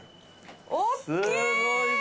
おっきい！